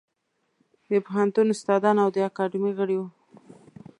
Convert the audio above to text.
د پوهنتون استادان او د اکاډمۍ غړي وو.